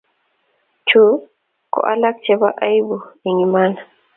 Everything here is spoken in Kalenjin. Chu ko alak chebo aibu, eng imana